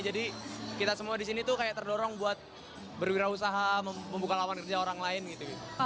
jadi kita semua di sini tuh kayak terdorong buat berwirausaha membuka lapangan kerja orang lain gitu